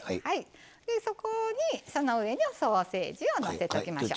そこにその上にソーセージをのせときましょう。